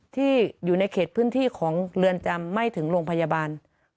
ที่อยู่ในเขตพื้นที่ของเรือนจำไม่ถึงโรงพยาบาล